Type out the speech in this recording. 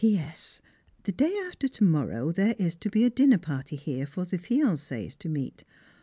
P.S. The day after to morrow there is to be a dinner party here for the fiancés to meet.